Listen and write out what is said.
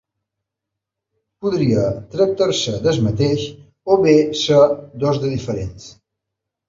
Podria tractar-se del mateix o bé ser dos de diferents.